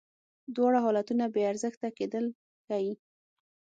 دواړه حالتونه بې ارزښته کېدل ښیې.